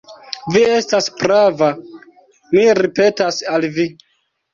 Vi estas prava, mi ripetas al vi.